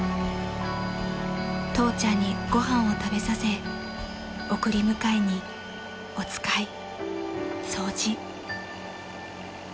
［父ちゃんにご飯を食べさせ送り迎えにお使い掃除］